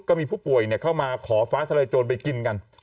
ก็มีผู้ป่วยเข้ามาขอฟ้าทะลายโจรไปกินกัน